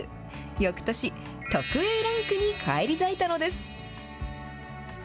よくとし、特Ａランクに返り咲いたのです。